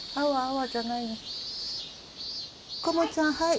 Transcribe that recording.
コモちゃんはい。